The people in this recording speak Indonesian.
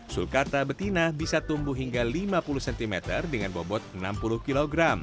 sulkarta betina bisa tumbuh hingga lima puluh cm dengan bobot enam puluh kg